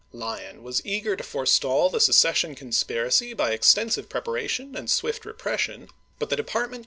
Lyon was eager to forestall the secession conspiracy by extensive preparation and swift repression; but the department com GENERAL FRANCIS P.